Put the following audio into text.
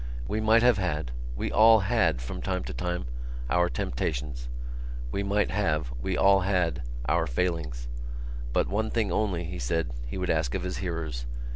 We might have had, we all had from time to time, our temptations: we might have, we all had, our failings. But one thing only, he said, he would ask of his hearers.